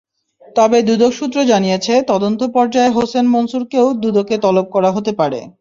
তবে দুদক সূত্র জানিয়ে, তদন্ত পর্যায়ে হোসেন মনসুরকেও দুদকে তলব করা হতে পারে।